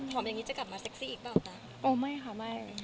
ผอมอย่างนี้จะกลับมาเซ็กซี่อีกเปล่าตั๊ก